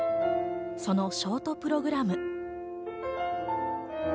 そのショートプログラム。